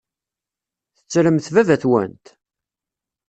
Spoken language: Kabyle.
Tettremt baba-twent?